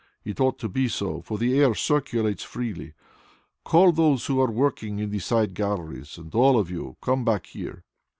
It ought to be so, for the air circulates freely. Call those who are working in the side galleries, and all of you come back here."